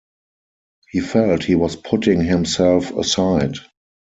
He felt he was putting himself aside.